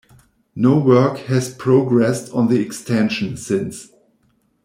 No work has progressed on the extension since.